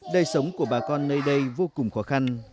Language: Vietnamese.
đời sống của bà con nơi đây vô cùng khó khăn